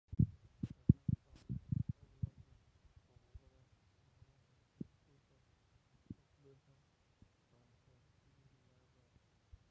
Las hojas son oblongas a obovadas-oblongas, obtusas, gruesas, coriáceas y glabras.